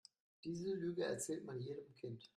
Diese Lüge erzählt man jedem Kind.